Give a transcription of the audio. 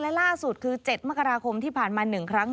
และล่าสุดคือ๗มกราคมที่ผ่านมา๑ครั้ง